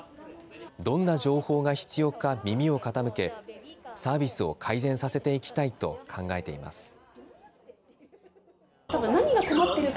どんな情報が必要か耳を傾け、サービスを改善させていきたいと考えています。